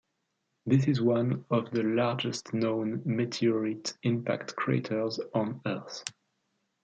This is one of the largest-known meteorite impact craters on Earth.